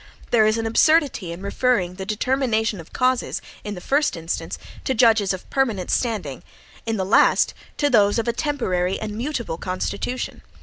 There is an absurdity in referring the determination of causes, in the first instance, to judges of permanent standing; in the last, to those of a temporary and mutable constitution.